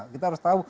kita harus tahu